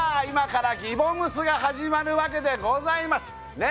今から「ぎぼむす」が始まるわけでございます